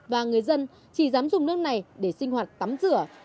và người dân chỉ dám dùng nước này để sinh hoạt tắm rửa